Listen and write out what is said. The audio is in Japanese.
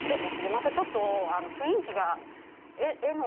またちょっと雰囲気が絵の。